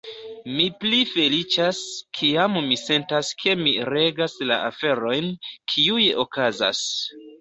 Mi pli feliĉas, kiam mi sentas ke mi regas la aferojn, kiuj okazas.